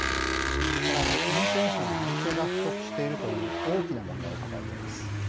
さらに運転手のなり手が不足しているという大きな問題を抱えています。